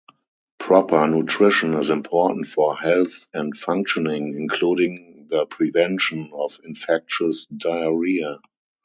Proper nutrition is important for health and functioning, including the prevention of infectious diarrhea.